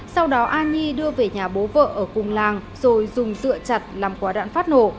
sau đó a nhi đưa về nhà bố vợ ở cùng làng rồi dùng dựa chặt làm quả đạn phát nổ